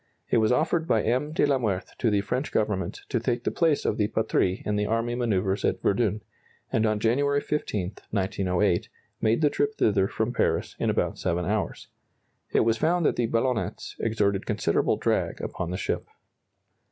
It was offered by M. de la Meurthe to the French Government to take the place of the "Patrie" in the army manœuvres at Verdun, and on January 15, 1908, made the trip thither from Paris in about 7 hours. It was found that the ballonnets exerted considerable drag upon the ship.